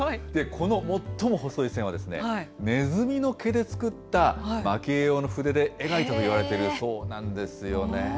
この最も細い線は、ネズミの毛で作った、まき絵用の筆で描いたといわれているそうなんですよね。